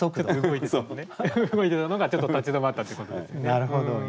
動いていたのがちょっと立ち止まったということですよね。